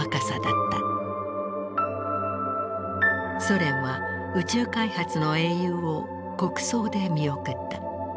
ソ連は宇宙開発の英雄を国葬で見送った。